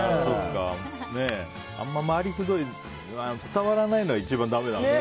あんま回りくどい伝わらないのは一番だめなんだね。